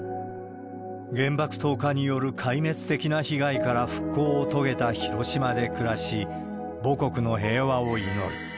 原爆投下による壊滅的な被害から復興を遂げた広島で暮らし、母国の平和を祈る。